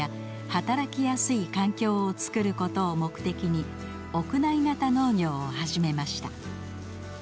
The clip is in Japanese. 働きやすい環境を作ることを目的に屋内型農業を始めました。